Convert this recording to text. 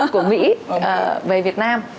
của mỹ về việt nam